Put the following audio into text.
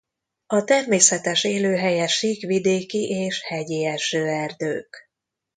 A természetes élőhelye síkvidéki és hegyi esőerdők.